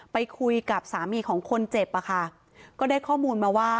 ไปคุยกับสามีของคนเจ็บอะค่ะก็ได้ข้อมูลมาว่า